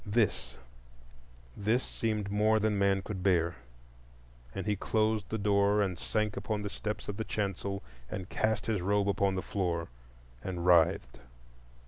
—this, this seemed more than man could bear; and he closed the door, and sank upon the steps of the chancel, and cast his robe upon the floor and writhed.